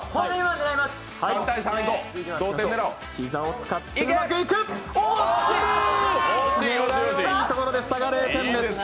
狙いはいいところでしたが、０点です。